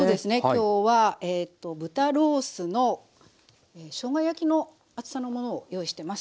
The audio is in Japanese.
今日はえっと豚ロースのしょうが焼きの厚さのものを用意してます。